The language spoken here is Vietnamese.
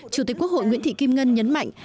chủ tịch quốc hội nguyễn thị kim ngân nhấn mạnh